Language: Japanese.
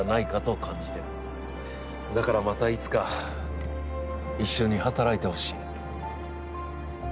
だからまたいつか一緒に働いてほしい。